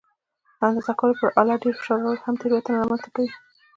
د اندازه کولو پر آله ډېر فشار راوړل هم تېروتنه رامنځته کوي.